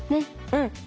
うん。